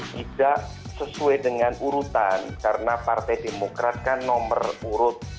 tidak sesuai dengan urutan karena partai demokrat kan nomor urut